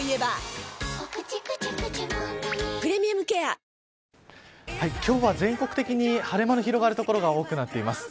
なので、わりとこの先も今日は全国的に晴れ間の広がる所が多くなっています。